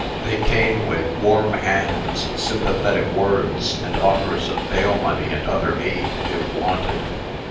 They came with warm hands, sympathetic words, and offers of bail money and other aid, if wanted.